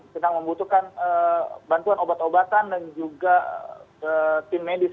sedang membutuhkan bantuan obat obatan dan juga tim medis